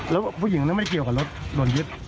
แล้วผู้หญิงนั้นไม่เกี่ยวกับรถโดนยึด